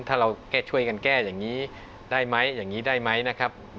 ถ้าเราแก้ช่วยกันแก้อย่างนี้ได้ไหมอย่างนี้ได้ไหมนะครับ